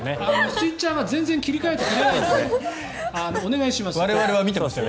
スイッチャーが全然切り替えてくれないんだよ。